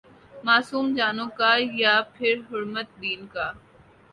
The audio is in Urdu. معصوم جانوں کا یا پھرحرمت دین کا؟